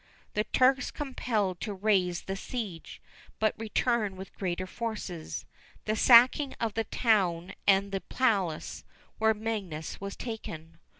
The Turks compelled to raise the siege, but return with greater forces the sacking of the town and the palace, where Magius was taken.